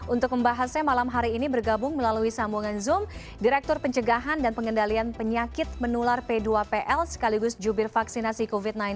untuk membahasnya malam hari ini bergabung melalui sambungan zoom direktur pencegahan dan pengendalian penyakit menular p dua pl sekaligus jubir vaksinasi covid sembilan belas